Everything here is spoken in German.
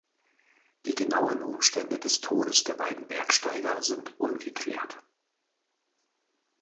Die genauen Umstände des Todes der beiden Bergsteiger sind ungeklärt.